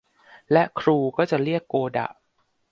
และครูก็จะเรียกโกดะ